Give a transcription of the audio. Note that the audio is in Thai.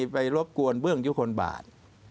รบกวนเบื้องยุคลบาท